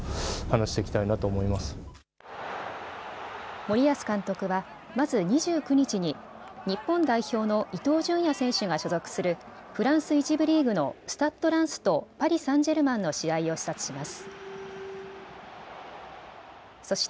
森保監督はまず２９日に日本代表の伊東純也選手が所属するフランス１部リーグのスタッド・ランスとパリサンジェルマンの試合を視察します。